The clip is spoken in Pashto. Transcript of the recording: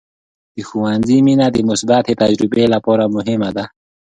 د ښوونځي مینه د مثبتې تجربې لپاره مهمه ده.